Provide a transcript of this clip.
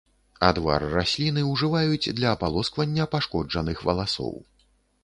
Адвар расліны ўжываюць для апалосквання пашкоджаных валасоў.